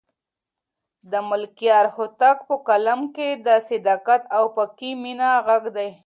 د ملکیار هوتک په کلام کې د صداقت او پاکې مینې غږ دی.